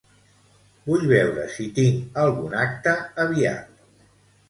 Vull veure si tinc algun acte aviat.